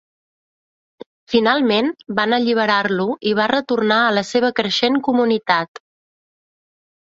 Finalment, van alliberar-lo i va retornar a la seva creixent comunitat.